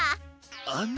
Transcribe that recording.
あの。